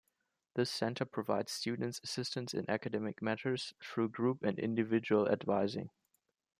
This center provides students assistance in academic matters through group and individual advising.